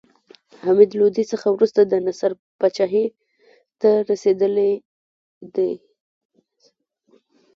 حمید لودي څخه وروسته نصر پاچاهي ته رسېدلى دﺉ.